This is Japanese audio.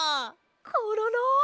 コロロ！